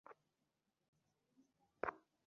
তোমার বাগদত্তা তোমার মঙ্গলের জন্য উপোষ রাখে?